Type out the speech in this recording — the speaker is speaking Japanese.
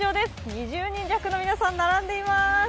２０人弱の皆さんが並んでいます。